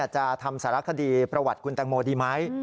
จะทำสารคดีประวัติคุณแตงโมดีไหม